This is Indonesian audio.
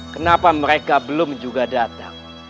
kenapa mereka belum juga datang